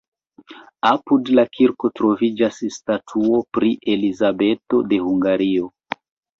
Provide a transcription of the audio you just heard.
Apud la kirko troviĝas statuo pri Elizabeto de Hungario.